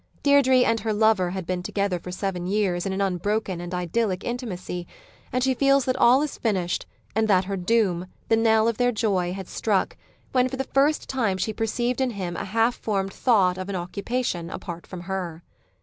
Deirdre and her lover had been together for seven years in an unbroken and idyllic intimacy, and she feels that all is finished, and that her doom, the knell of their joy, had struck, when for the first time she perceived in him a half formed thought of an occupation apart from her.